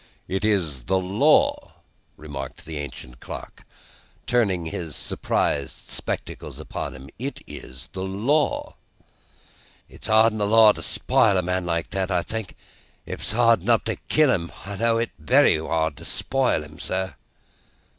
"It is the law," remarked the ancient clerk, turning his surprised spectacles upon him. "It is the law." "It's hard in the law to spile a man, I think. It's hard enough to kill him, but it's wery hard to spile him, sir."